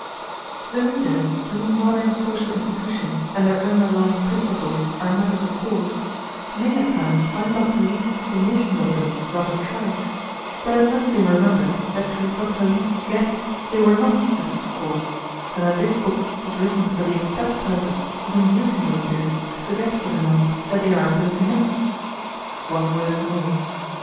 The reader, to whom modern social institutions and their underlying principles are matters of course, may at times find Dr. Leete's explanations of them rather trite but it must be remembered that to Dr. Leete's guest they were not matters of course, and that this book is written for the express purpose of inducing the reader to forget for the nonce that they are so to him. One word more.